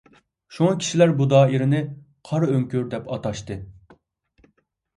شۇڭا كىشىلەر بۇ دائىرىنى «قارا ئۆڭكۈر» دەپ ئاتاشتى.